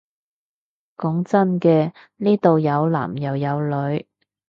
講真嘅，呢度有男又有女